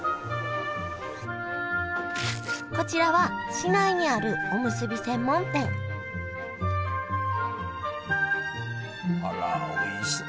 こちらは市内にあるおむすび専門店あらおいしそう。